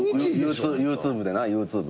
ＹｏｕＴｕｂｅでなＹｏｕＴｕｂｅ。